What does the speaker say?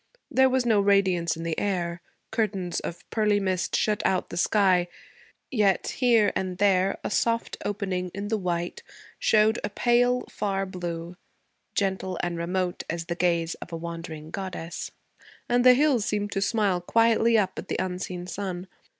There was no radiance in the air; curtains of pearly mist shut out the sky; yet here and there a soft opening in the white showed a pale, far blue, gentle and remote as the gaze of a wandering goddess, and the hills seemed to smile quietly up at the unseen sun.